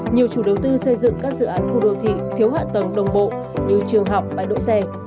nhiều chủ đầu tư xây dựng các dự án khu đô thị thiếu hạ tầng đồng bộ như trường học bãi đỗ xe